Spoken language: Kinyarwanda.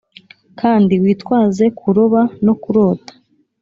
kandi witwaze kuroba. .. no kurota.